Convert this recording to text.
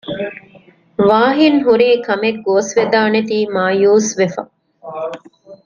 ވާހިން ހުރީ ކަމެއް ގޯސްވެދާނެތީ މާޔޫސްވެފަ